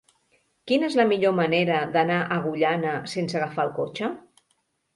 Quina és la millor manera d'anar a Agullana sense agafar el cotxe?